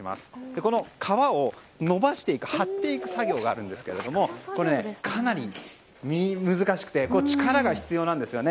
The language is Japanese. この革を貼っていく作業があるんですけどもかなり難しくて力が必要なんですね。